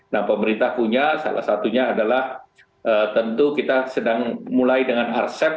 nah pemerintah punya salah satunya adalah tentu kita sedang mulai dengan arsep